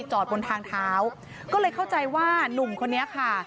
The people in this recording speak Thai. จอดบนทางเท้าก็เลยเข้าใจว่านุ่มคนนี้ค่ะ